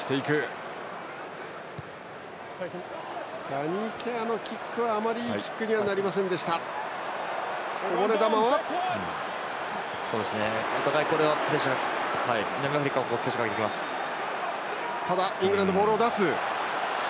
ダニー・ケアーのキックはあまりいいキックになりませんでした。